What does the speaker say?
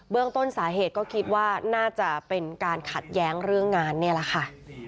ต้นสาเหตุก็คิดว่าน่าจะเป็นการขัดแย้งเรื่องงานนี่แหละค่ะ